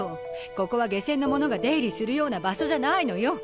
ここは下賤の者が出入りするような場所じゃないのよ。